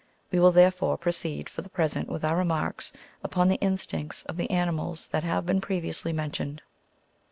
We will, therefore, proceed for the present with our remarks upon the instincts of the animals that have been previously mentioned.